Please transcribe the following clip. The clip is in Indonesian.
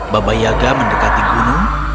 baba yaga mendekati gunung